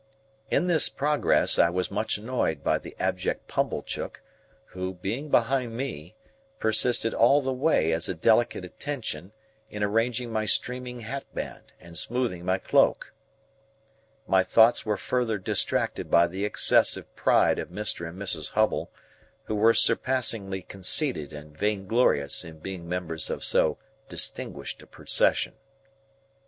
In this progress I was much annoyed by the abject Pumblechook, who, being behind me, persisted all the way as a delicate attention in arranging my streaming hatband, and smoothing my cloak. My thoughts were further distracted by the excessive pride of Mr. and Mrs. Hubble, who were surpassingly conceited and vainglorious in being members of so distinguished a procession.